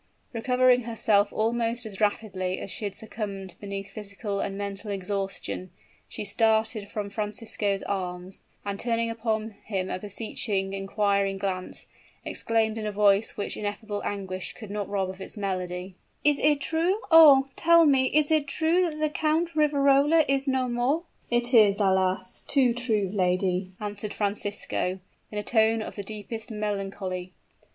Recovering herself almost as rapidly as she had succumbed beneath physical and mental exhaustion, she started from Francisco's arms; and turning upon him a beseeching, inquiring glance, exclaimed in a voice which ineffable anguish could not rob of its melody: "Is it true oh, tell me is it true that the Count Riverola is no more?" "It is, alas! too true, lady," answered Francisco, in a tone of the deepest melancholy.